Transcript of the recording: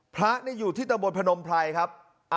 พระอยู่ที่ตำบลพนมไพรครับ